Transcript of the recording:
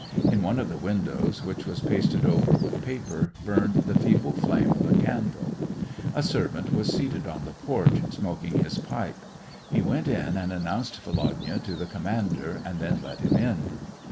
In one of the windows, which was pasted over with paper, burned the feeble flame of a candle. A servant was seated on the porch, smoking his pipe ; he went in and announced Volodya to the commander, and then led him in.